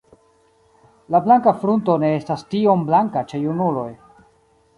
La blanka frunto ne estas tiom blanka ĉe junuloj.